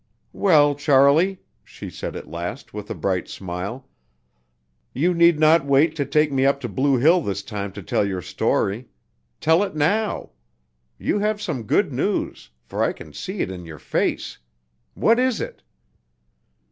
"Well, Charlie," she said at last, with a bright smile, "you need not wait to take me up to Blue Hill this time to tell your story. Tell it now. You have some good news, for I can see it in your face. What is it?"